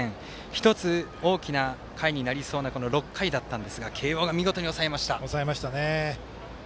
１つ、大きな回になりそうな６回だったんですが抑えましたね。